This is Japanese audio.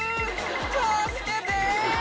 「助けて！」